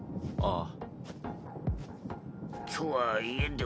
ああ。